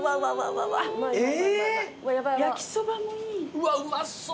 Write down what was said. うわうまそう。